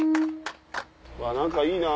何かいいな。